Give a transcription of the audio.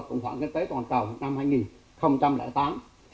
trong khoảng kinh tế toàn cầu năm hai nghìn tám